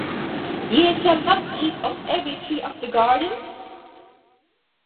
Ye shall not eat of every tree of the garden?